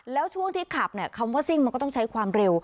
แล้วช่วงที่ขับเนี่ยคำว่าซิ่งมันก็ต้องใช้ความเร็ว